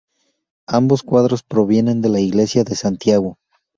Ambos cuadros provienen de la iglesia de Santiago.